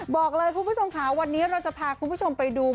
บอกเลยคุณผู้ชมค่ะวันนี้เราจะพาคุณผู้ชมไปดู